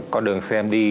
con đường xem đi